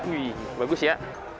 wih bagus ya